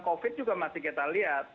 covid juga masih kita lihat